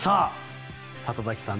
里崎さん